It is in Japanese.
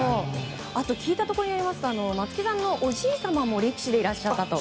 聞いたところによりますと松木さんのおじい様も力士でいらっしゃったと。